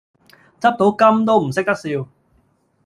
執到金都唔識得笑